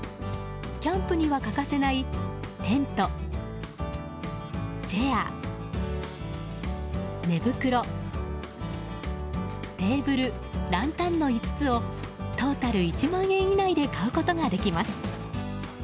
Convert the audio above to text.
キャンプには欠かせないテント、チェア、寝袋テーブル、ランタンの５つをトータル１万円以内で買うことができます。